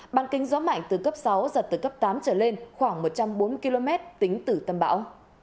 bàn kính gió mạnh từ cấp sáu giật từ cấp tám trở lên khoảng một trăm bốn mươi km tính từ tâm bão